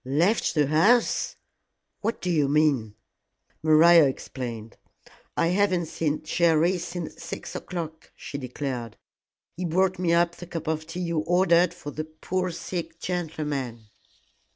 "Left the house! What do you mean?" Maria explained. "I haven't seen Jerry since six o'clock," she declared; "he brought me up the cup of tea you ordered for the poor sick gentleman."